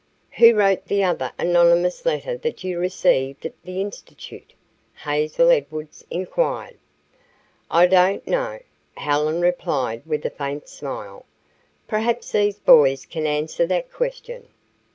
"Who wrote the other anonymous letter that you received at the Institute?" Hazel Edwards inquired. "I don't know," Helen replied with a faint smile. "Perhaps these boys can answer that question."